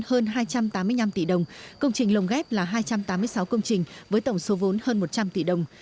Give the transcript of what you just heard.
hơn hai trăm tám mươi năm tỷ đồng công trình lồng ghép là hai trăm tám mươi sáu công trình với tổng số vốn hơn một trăm linh tỷ đồng